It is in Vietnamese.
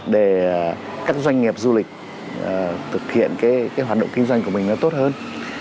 để các doanh nghiệp du lịch thực hiện hoạt động kinh doanh của mình tốt hơn